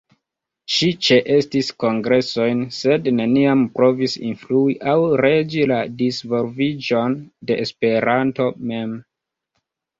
Ŝi ĉeestis kongresojn, sed neniam provis influi aŭ regi la disvolviĝon de Esperanto mem.